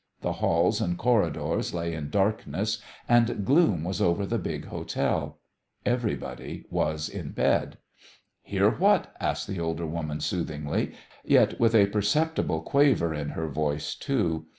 The halls and corridors lay in darkness, and gloom was over the big hotel. Everybody was in bed. "Hear what?" asked the older woman soothingly, yet with a perceptible quaver in her voice, too.